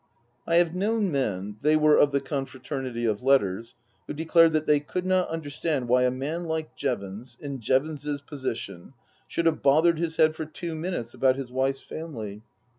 I have known men (they were of the confraternity of letters) who declared that they could not understand why a man like Jevons, in Jevons's position, should have bothered his head for two minutes about his wife's family.